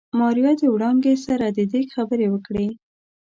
ماريا د وړانګې سره د ديګ خبرې وکړې.